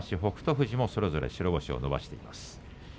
富士それぞれ白星を伸ばしています。